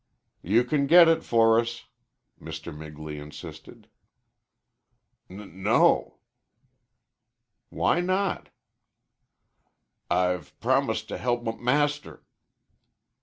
"You can get it for us," Mr. Migley insisted. "N no." "Why not?" "I've promised to help M Master."